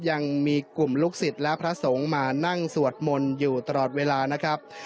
ยังมีกลุ่มลูกศิษย์และพระสงฆ์มานั่งสวดมนต์อยู่ตลอดเวลานะครับ